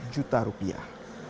lima puluh juta rupiah